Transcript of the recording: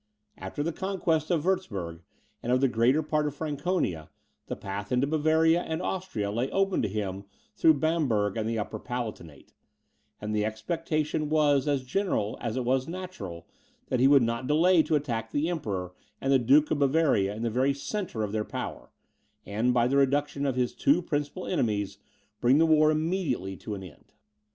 After the conquest of Wurtzburg, and of the greater part of Franconia, the road into Bavaria and Austria lay open to him through Bamberg and the Upper Palatinate; and the expectation was as general, as it was natural, that he would not delay to attack the Emperor and the Duke of Bavaria in the very centre of their power, and, by the reduction of his two principal enemies, bring the war immediately to an end.